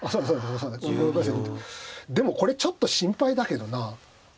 でもこれちょっと心配だけどな。